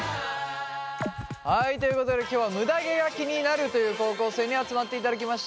はいということで今日はむだ毛が気になるという高校生に集まっていただきました。